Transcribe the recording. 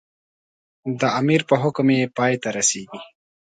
د امیر په حکم یې پای ته رسېږي.